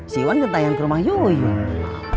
si iwan udah tayang ke rumah yuyun